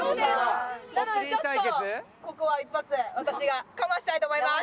なのでちょっとここは一発私がかましたいと思います。